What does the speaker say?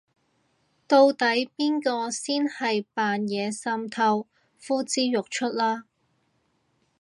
到底邊個先係扮嘢滲透呼之欲出啦